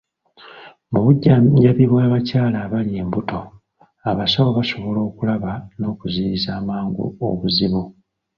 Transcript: Mu bujjanjabi bw'abakyala abali embuto, abasawo basobola okulaba n'okuziyiza amangu obuzibu.